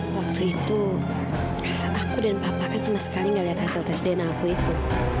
waktu itu aku dan papa kan sama sekali nggak lihat hasil tes dna aku itu